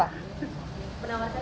penawar sana dimana mas